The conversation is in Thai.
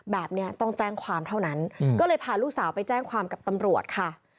แบบนี้ต้องแจ้งความเท่านั้นก็เลยพาลูกสาวไปแจ้งความกับตำรวจค่ะ